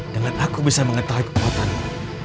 dengan aku bisa mengetahui kekuatanmu